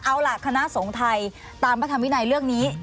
เอาล่ะคณะสงฆ์ไทยตามพระธรรมวินัยเรื่องนี้